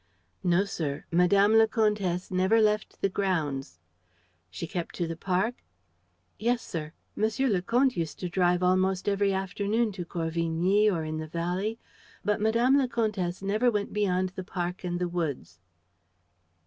"No, sir, Madame le Comtesse never left the grounds." "She kept to the park?" "Yes, sir. Monsieur le Comte used to drive almost every afternoon to Corvigny or in the valley, but Madame la Comtesse never went beyond the park and the woods."